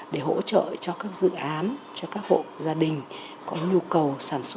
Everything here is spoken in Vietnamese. để hỗ trợ cho các dự án cho các hộ gia đình có nhu cầu